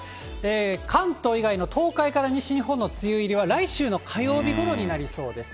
関東以外の東海から西日本の梅雨入りは、来週の火曜日ごろになりそうです。